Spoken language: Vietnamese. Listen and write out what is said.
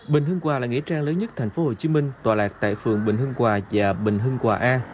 bình hương hòa là nghĩa trang lớn nhất tp hcm tòa lạc tại phường bình hương hòa và bình hương hòa a